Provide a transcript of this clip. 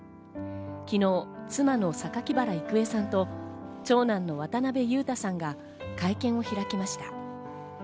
昨日、妻の榊原郁恵さんと長男の渡辺裕太さんが会見を開きました。